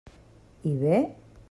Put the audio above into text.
I bé?